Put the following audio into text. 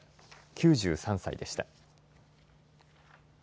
９３歳でした。